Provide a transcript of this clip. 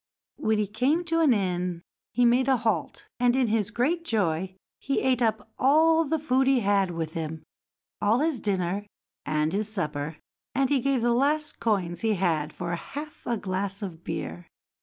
When he came to an inn he made a halt, and in his great joy he ate up all the food he had with him, all his dinner and his supper, and he gave the last coins he had for half a glass of beer.